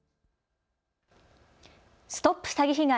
ＳＴＯＰ詐欺被害！